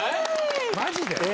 マジで？